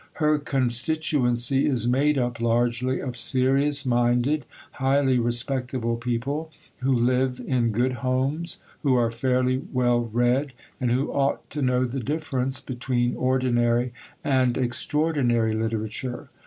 Her constituency is made up largely of serious minded, highly respectable people, who live in good homes, who are fairly well read, and who ought to know the difference between ordinary and extraordinary literature.